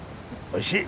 おいしい！